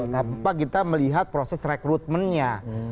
tanpa kita melihat proses rekrutmennya